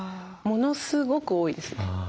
ものすごく多いです。